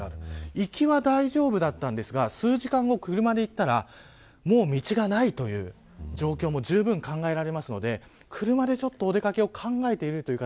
行きは大丈夫だったんですが数時間後、車で行ったらもう道がないという状況もじゅうぶん考えられますので車でお出掛けを考えているという方